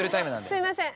すいません。